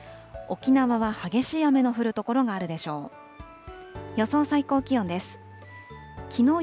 沖縄は激しい雨の降る所があるでしょう。